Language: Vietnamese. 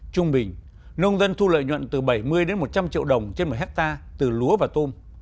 trung bình nông dân thu lợi nhuận từ bảy mươi đến một trăm linh triệu đồng trên một hectare từ lúa và tôm